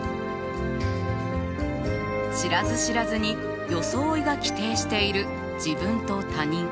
知らず知らずに装いが規定している自分と他人そして人格。